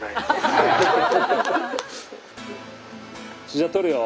じゃあ撮るよ。